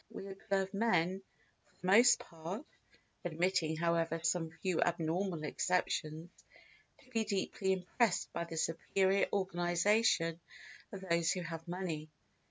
We observe men for the most part (admitting however some few abnormal exceptions) to be deeply impressed by the superior organisation of those who have money.